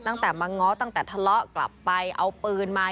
ตั้งแต่มาง้อตั้งแต่ทะเลาะกลับไปเอาปืนมา